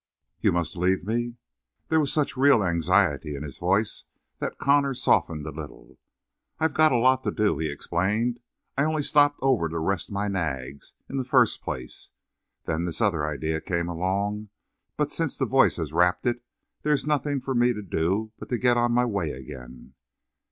"You must leave me?" There was such real anxiety in his voice that Connor softened a little. "I've got a lot to do," he explained. "I only stopped over to rest my nags, in the first place. Then this other idea came along, but since the voice has rapped it there's nothing for me to do but to get on my way again."